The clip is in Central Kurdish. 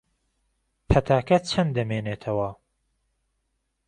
پەتاکە چەند دەمێنێتەوە؟